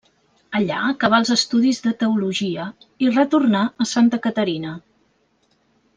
Allà acabà els estudis de teologia i retornà a Santa Caterina.